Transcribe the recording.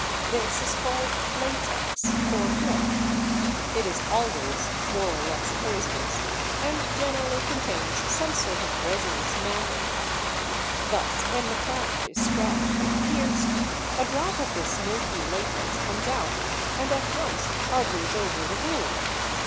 This is called "latex" (or milk); it is always more or less poisonous, and generally contains some sort of resinous matter. Thus when the plant is scratched or pierced, a drop of this milky latex comes out and at once hardens over the wound.